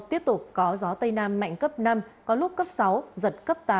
tiếp tục có gió tây nam mạnh cấp năm có lúc cấp sáu giật cấp tám